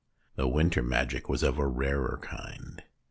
The winter magic was of a rarer kind.